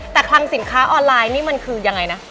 แต่คลังสินค้าออนไลน์นี่มันคือยังไงนะ